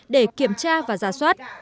để kiểm tra và giả soát